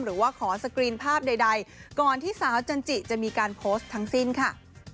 หรือว่าขอสกรีนภาพใดก่อนที่สาวจันจิจะมีการโพสต์ทั้งสิ้นค่ะ